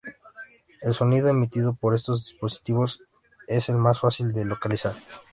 El sonido emitido por estos dispositivos es el más fácil de localizar.